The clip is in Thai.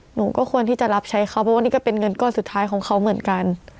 หนูก็ควรที่จะรับใช้เขาเพราะว่านี่ก็เป็นเงินก้อนสุดท้ายของเขาเหมือนกัน